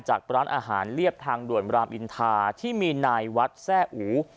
จากร้านอาหารเรียบทางด่วนรามอินทาที่มีนายวัดแซ่อู